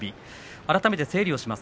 改めて整理します。